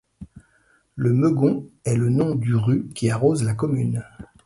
Le Meugon est le nom du ru qui arrose la commune.